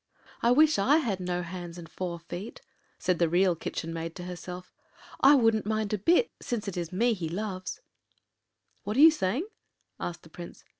“I wish I had no hands and four feet,” said the Real Kitchen maid to herself. “I wouldn’t mind a bit, since it is me he loves.” “What are you saying?” asked the Prince.